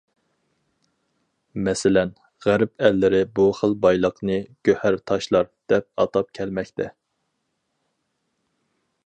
مەسىلەن: غەرب ئەللىرى بۇ خىل بايلىقنى« گۆھەر تاشلار» دەپ ئاتاپ كەلمەكتە.